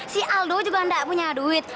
si aldo juga tidak punya duit